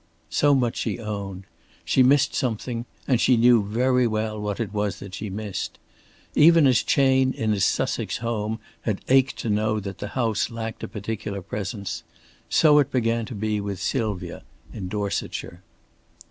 So much she owned. She missed something, and she knew very well what it was that she missed. Even as Chayne in his Sussex home had ached to know that the house lacked a particular presence, so it began to be with Sylvia in Dorsetshire.